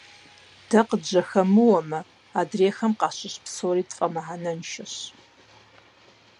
Дэ къыджьэхэмыуэмэ, адрейхэм къащыщӀ псори тфӀэмыхьэнэншэщ.